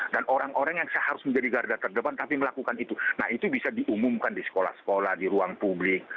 dan orang orang yang seharusnya menjadi garda terdepan tapi melakukan itu nah itu bisa diumumkan di sekolah sekolah di ruang publik